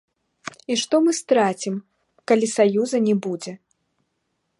І што мы страцім, калі саюза не будзе?